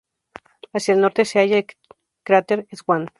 Hacia el norte se halla el cráter Swann.